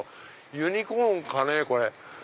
ユニコーンかね？